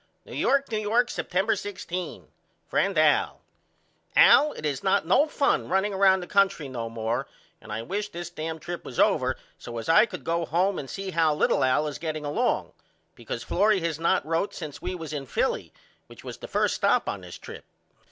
New York, New York, September 16. FRIEND AL: Al it is not no fun running round the country no more and I wish this dam trip was over so as I could go home and see how little Al is getting along because Florrie has not wrote since we was in Philly which was the first stop on this trip.